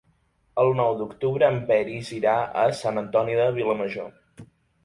El nou d'octubre en Peris irà a Sant Antoni de Vilamajor.